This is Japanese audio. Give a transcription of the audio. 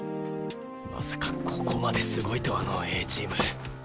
まさかここまですごいとはのうＡチーム。